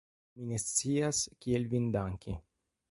Mi ne scias, kiel vin danki!